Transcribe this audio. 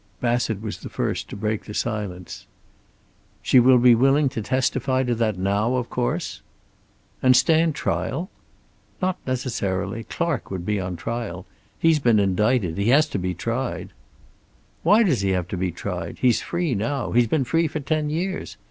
Bassett was the first to break the silence. "She will be willing to testify to that now, of course?" "And stand trial?" "Not necessarily. Clark would be on trial. He's been indicted. He has to be tried." "Why does he have to be tried? He's free now. He's been free for ten years.